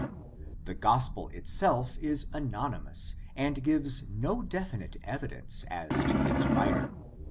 The gospel itself is anonymous and gives no definite evidence as to its writer.